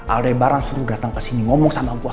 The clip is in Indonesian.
aldebaran suruh datang kesini ngomong sama gua